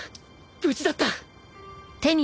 無事だった